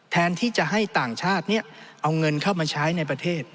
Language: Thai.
แทนที่จะให้ต่างชาติเอาเงินเข้ามาใช้ในประเทศ